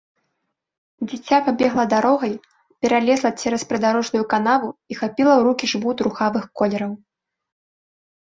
Дзіця пабегла дарогай, пералезла цераз прыдарожную канаву і хапіла ў рукі жмут рухавых колераў.